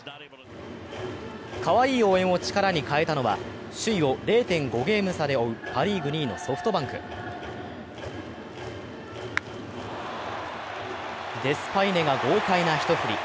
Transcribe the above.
かわいい応援を力に変えたのは首位を０．５ゲーム差で追うパ・リーグ２位のソフトバンク。デスパイネが豪快な一振り。